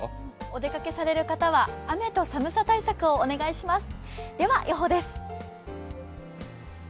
お出かけされる方は雨と寒さ対策をお願いします。